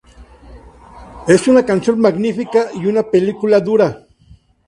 Es una canción magnífica y una película dura.